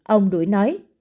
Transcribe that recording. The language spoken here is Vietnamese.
ông đuổi nói